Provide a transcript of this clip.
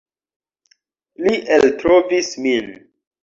Li eltrovis min.